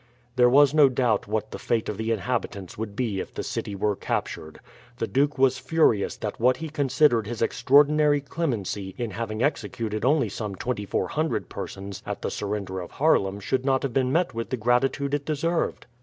There was no doubt what the fate of the inhabitants would be if the city were captured. The duke was furious that what he considered his extraordinary clemency in having executed only some 2400 persons at the surrender of Haarlem should not have been met with the gratitude it deserved.